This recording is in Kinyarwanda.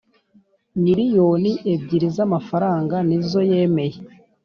miriyoni ebyiri zamafaranga nizo yemeye.